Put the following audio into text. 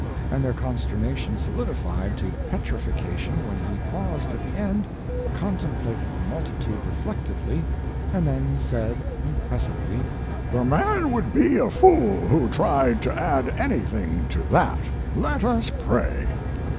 And their consternation solidified to petrification when he paused at the end, contemplated the multitude reflectively, and then said, impressively: "The man would be a fool who tried to add anything to that. Let us pray!"